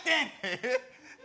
えっ？